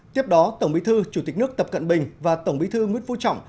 tiếp đó tổng bí thư chủ tịch nước tập cận bình và tổng bí thư nguyễn phú trọng